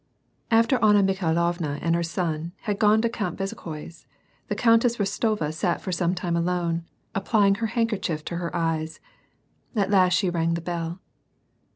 After Anna Mikhailovna and her son had gone to Count Bezukhoi's, the Countess Rostova sat for some time alone, applying her handkerchief to her eyes. At last she rang the bell.